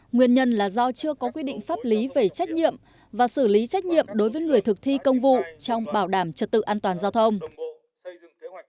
nguyên nhân là do chưa có quy định pháp lý về trách nhiệm và xử lý trách nhiệm đối với người thực thi công vụ trong bảo đảm trật tự an toàn giao thông